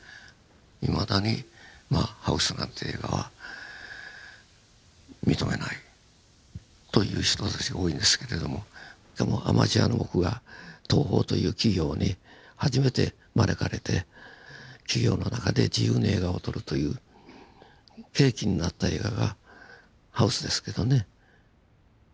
いまだに「ＨＯＵＳＥハウス」なんて映画は認めないという人たちが多いんですけれどもでもアマチュアの僕が東宝という企業に初めて招かれて企業の中で自由に映画を撮るという契機になった映画が「ＨＯＵＳＥハウス」ですけどね。